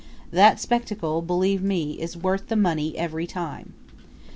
That spectacle, believe me, is worth the money every time.